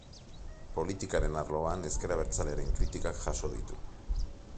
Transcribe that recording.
Politikaren arloan, ezker abertzalearen kritikak jaso ditu.